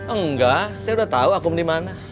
enggak saya udah tahu akum dimana